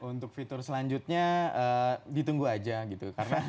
untuk fitur selanjutnya ditunggu aja gitu